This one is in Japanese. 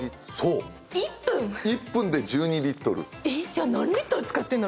じゃあ何リットル使ってんだろ１日。